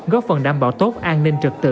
góp phần đảm bảo tốt an ninh trật tự